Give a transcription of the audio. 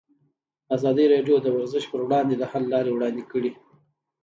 ازادي راډیو د ورزش پر وړاندې د حل لارې وړاندې کړي.